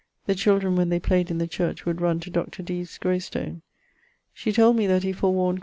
The children when they played in the church would runne to Dr. Dee's grave stone. She told me that he forewarned Q.